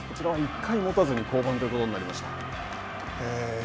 こちらは１回もたずに降板ということになりました。